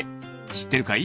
しってるかい？